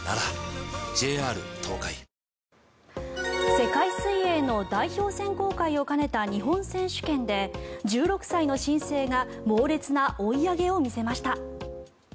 世界水泳の代表選考会を兼ねた日本選手権で１６歳の新星が猛烈な追い上げを見せました。